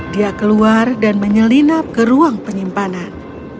dia keluar dan menyelinap ke ruang penyimpanan